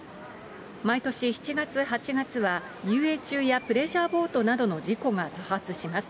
毎年７月、８月は遊泳中や、プレジャーボートの事故が多発します。